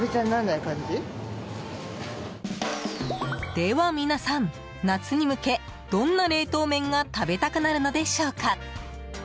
では皆さん、夏に向けどんな冷凍麺が食べたくなるのでしょうか。